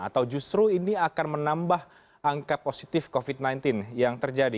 atau justru ini akan menambah angka positif covid sembilan belas yang terjadi